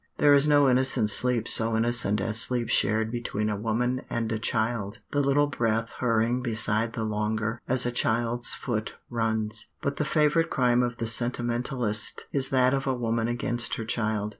There is no innocent sleep so innocent as sleep shared between a woman and a child, the little breath hurrying beside the longer, as a child's foot runs. But the favourite crime of the sentimentalist is that of a woman against her child.